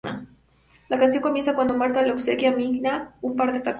La canción comienza cuando Martha le obsequia a Minaj un par de tacones.